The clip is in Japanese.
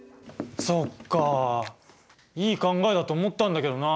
そっかいい考えだと思ったんだけどな。